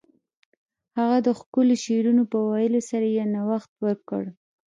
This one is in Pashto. هغه د ښکلو شعرونو په ویلو سره یو نوښت وکړ